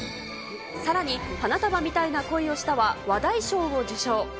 さらに、花束みたいな恋をしたは、話題賞を受賞。